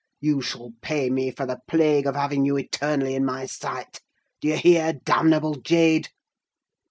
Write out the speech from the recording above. You shall pay me for the plague of having you eternally in my sight—do you hear, damnable jade?"